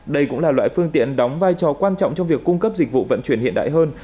đây cũng là loại phương tiện đóng vai trò quan trọng trong việc cung cấp dịch vụ vận chuyển hiện đại hơn